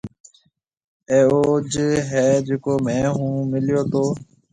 اَي اوج هيَ جڪو مهي هون ميليو تو۔